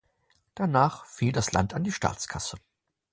Danach fiel das Land an die Staatskasse.